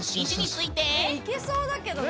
いけそうだけどな。